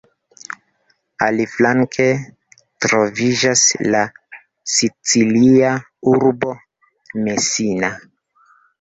Aliflanke troviĝas la sicilia urbo Messina.